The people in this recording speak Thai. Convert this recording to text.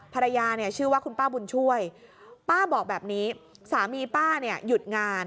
ภรรยาเนี่ยชื่อว่าคุณป้าบุญช่วยป้าบอกแบบนี้สามีป้าเนี่ยหยุดงาน